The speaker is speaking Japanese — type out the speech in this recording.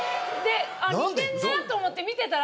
似てんなと思って見てたら。